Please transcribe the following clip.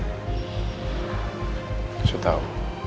gak usah tau